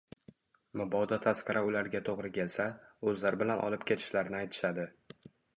Mabodo tasqara ularga to`g`ri kelsa, o`zlari bilan olib ketishlarini aytishadi